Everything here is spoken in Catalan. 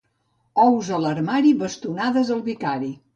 Ous a l'armari, bastonades al vicari.